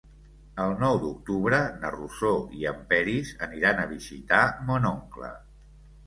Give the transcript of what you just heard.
El nou d'octubre na Rosó i en Peris aniran a visitar mon oncle.